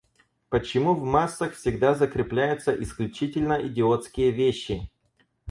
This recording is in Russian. Почему в массах всегда закрепляются исключительно идиотские вещи?